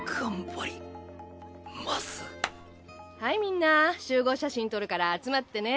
パンはいみんな集合写真撮るから集まってね。